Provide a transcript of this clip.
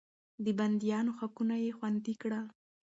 د بنديانو حقونه يې خوندي کړل.